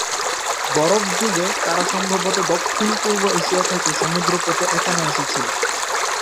বরফ যুগে, তারা সম্ভবত দক্ষিণ-পূর্ব এশিয়া থেকে সমুদ্রপথে এখানে এসেছিল।